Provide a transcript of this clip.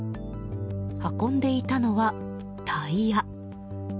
運んでいたのはタイヤ。